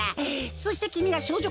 そしてきみがしょうじょ